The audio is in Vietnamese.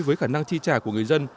với khả năng tri trả của người dân